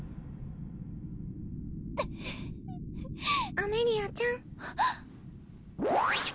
アメリアちゃん